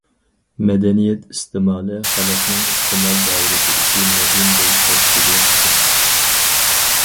مەدەنىيەت ئىستېمالى خەلقنىڭ ئىستېمال دائىرىسىدىكى مۇھىم بىر تەشكىلىي قىسىم.